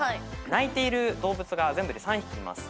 鳴いている動物が全部で３匹います。